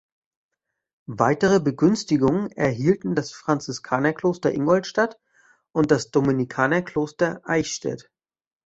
Weitere Begünstigungen erhielten das Franziskanerkloster Ingolstadt und das Dominikanerkloster Eichstätt.